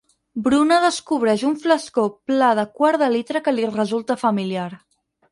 Bruna descobreix un flascó pla de quart de litre que li resulta familiar.